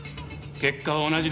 結果は同じですよ。